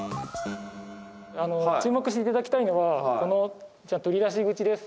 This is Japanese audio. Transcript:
注目して頂きたいのはこの取り出し口です。